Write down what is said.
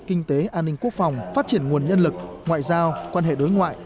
kinh tế an ninh quốc phòng phát triển nguồn nhân lực ngoại giao quan hệ đối ngoại